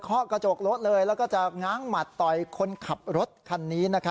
ข้อกระจกรถเลยแล้วก็จะง้างหมัดต่อยคนขับรถคันนี้